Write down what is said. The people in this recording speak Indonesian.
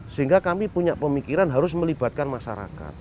sehingga kami punya pemikiran harus melibatkan masyarakat